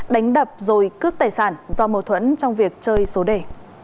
đánh đập rồi cướp tài sản do mâu thuẫn trong việc chơi số đề